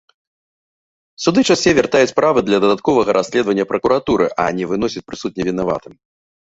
Суды часцей вяртаюць справы для дадатковага расследавання пракуратуры, а не выносяць прысуд невінаватым.